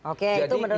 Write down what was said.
oke itu menurut